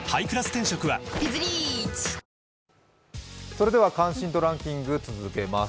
それでは関心度ランキング続けます。